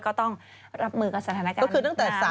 ก็ต้องรับมือกับสถานการณ์น้ำที่หลังจากมาย